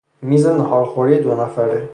میز ناهارخوری دو نفره